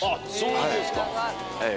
そうなんですか。